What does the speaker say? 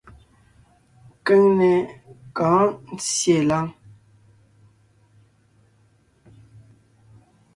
Keŋne kɔ̌ɔn ńtyê láŋ.